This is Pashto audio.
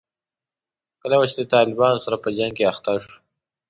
کله به چې له طالبانو سره په جنګ کې اخته شوو.